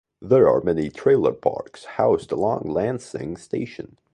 There are many trailer parks housed along Lansing Station.